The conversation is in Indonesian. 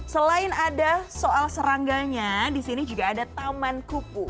selain ada soal serangganya di sini juga ada taman kuku